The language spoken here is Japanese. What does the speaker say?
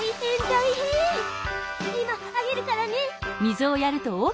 いまあげるからね。